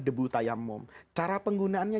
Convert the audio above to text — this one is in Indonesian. debu tayammum cara penggunaannya